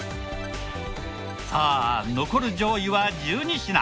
さあ残る上位は１２品。